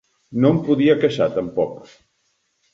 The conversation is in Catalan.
No em podia queixar, tampoc.